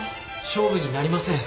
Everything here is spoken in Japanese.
勝負になりません。